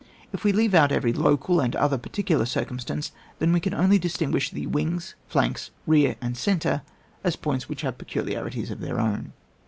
If we leave out every local and other particular circumstance, then we can only distinguish the wings, flanks, rear and centre, as points which have peculi arities of their own.